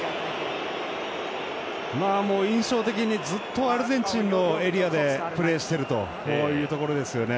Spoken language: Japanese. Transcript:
印象的にずっとアルゼンチンのエリアでプレーしているとこういうところですよね。